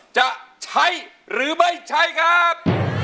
จะใช้หรือไม่ใช้ครับ